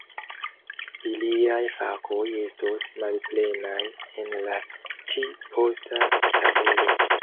Iliaj fakoj estos malplenaj en la ĉi-posta tabelo.